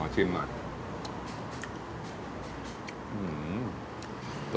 ชิมหน่อย